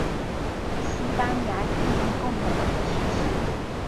西班牙第一共和国时期。